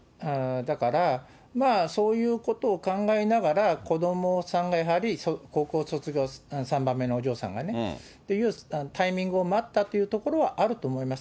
だからまあ、そういうことを考えながら、子どもさんがやはり高校卒業、３番目のお嬢さんがね、タイミングを待ったというところはあると思います。